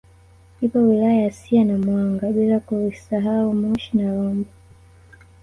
Ipo wilaya ya Siha na Mwanga bila kuisahau Moshi na Rombo